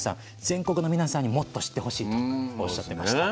全国の皆さんにもっと知ってほしいとおっしゃってました。